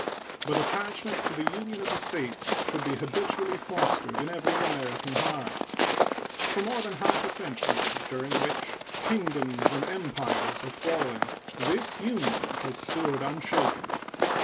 But attachment to the Union of the States should be habitually fostered in every American heart. For more than half a century, during which kingdoms and empires have fallen, this Union has stood unshaken.